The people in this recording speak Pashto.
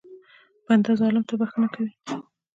بنده ظالم ته بښنه کوي.